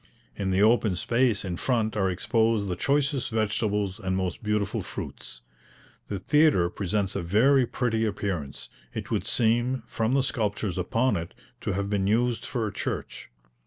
In the open space in front are exposed the choicest vegetables and most beautiful fruits. The theatre presents a very pretty appearance; it would seem, from the sculptures upon it, to have been used for a church.